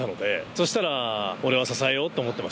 そしたら。